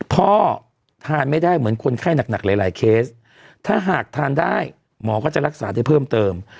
พ่อทานไม่ได้เหมือนคนไข้หนักหลายเคสถ้าหากทานได้หมอก็จะรักษาได้เพิ่มเติม